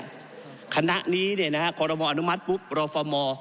แผ่นคณะนี้เนี่ยนะฮะครมอนุมัตย์ปุ๊บโพฟอมอล์